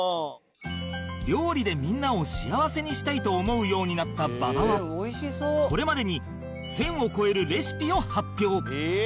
料理でみんなを幸せにしたいと思うようになった馬場はこれまでに１０００を超えるレシピを発表